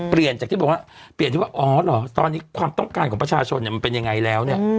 เปลี่ยนจากที่บอกว่าเปลี่ยนที่ว่าอ๋อเหรอตอนนี้ความต้องการของประชาชนมันเป็นยังไงแล้วเนี่ย